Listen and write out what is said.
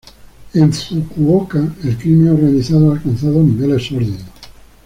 En Fukuoka, el crimen organizado ha alcanzado niveles sórdidos.